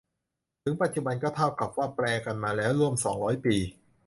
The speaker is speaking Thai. ถึงปัจจุบันก็เท่ากับว่าแปลกันมาแล้วร่วมสองร้อยปี